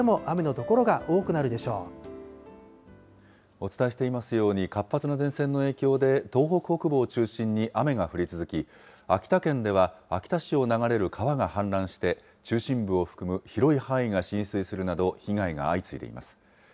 お伝えしていますように、活発な前線の影響で東北北部を中心に雨が降り続き、秋田県では秋田市を流れる川が氾濫して、中心部を含む広い範囲が浸水するなど、被害が相次いでいます。